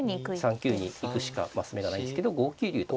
３九に行くしか升目がないですけど５九竜と。